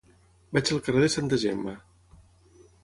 Vaig al carrer de Santa Gemma.